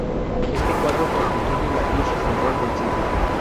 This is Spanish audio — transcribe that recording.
Este cuadro constituye la pieza central del sitio.